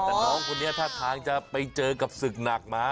แต่น้องคนนี้ท่าทางจะไปเจอกับศึกหนักหมา